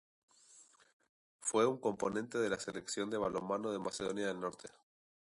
Fue un componente de la Selección de balonmano de Macedonia del Norte.